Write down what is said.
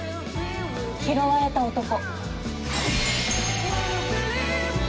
「拾われた男」。